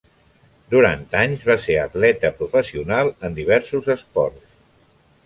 Durant anys va ser atleta professional en diversos esports.